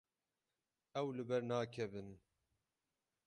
Ew li ber nakevin.